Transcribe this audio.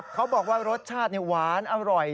เขาบอกว่ารสชาติหวานอร่อย